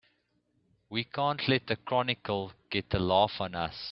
We can't let the Chronicle get the laugh on us!